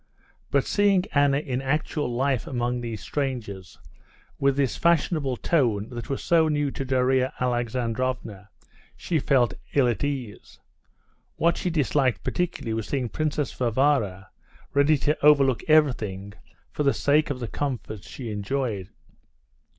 But seeing Anna in actual life among these strangers, with this fashionable tone that was so new to Darya Alexandrovna, she felt ill at ease. What she disliked particularly was seeing Princess Varvara ready to overlook everything for the sake of the comforts she enjoyed.